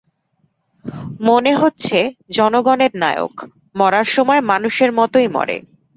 মনে হচ্ছে জনগণের নায়ক, মরার সময় মানুষের মতোই মরে।